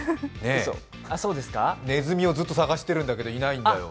ねずみをずっと探してるんだけど、いないんだよ。